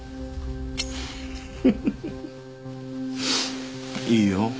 フフフッいいよ